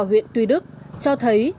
huyện tuy đức cho thấy